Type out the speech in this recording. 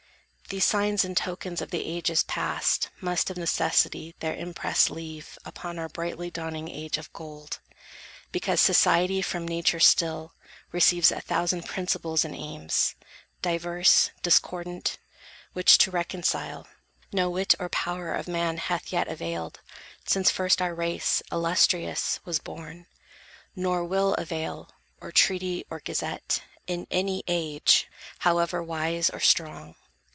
These signs and tokens of the ages past Must of necessity their impress leave Upon our brightly dawning age of gold: Because society from Nature still Receives a thousand principles and aims, Diverse, discordant; which to reconcile, No wit or power of man hath yet availed, Since first our race, illustrious, was born; Nor will avail, or treaty or gazette, In any age, however wise or strong.